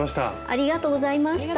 ありがとうございます。